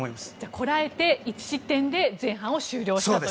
こらえて１失点で前半を終了したと。